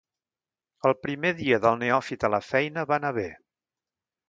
El primer dia del neòfit a la feina va anar bé.